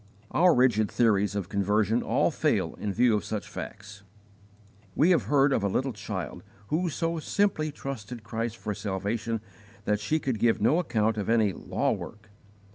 Our rigid theories of conversion all fail in view of such facts. We have heard of a little child who so simply trusted Christ for salvation that she could give no account of any 'law work.'